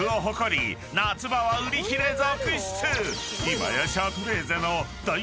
［今や］